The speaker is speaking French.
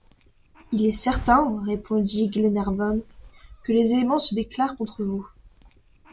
Il est certain, répondit Glenarvan, que les éléments se déclarent contre vous.